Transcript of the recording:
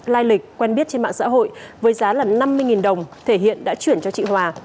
lai lịch quen biết trên mạng xã hội với giá là năm mươi đồng thể hiện đã chuyển cho chị hòa